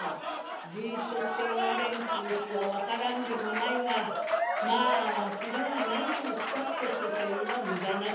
じっとしておられんっちゅう気は分からんでもないがまあわしらは何をしたってしょせんは無駄なことや」。